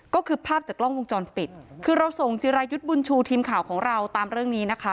ก็คือภาพจากกล้องวงจรปิดคือเราส่งจิรายุทธ์บุญชูทีมข่าวของเราตามเรื่องนี้นะคะ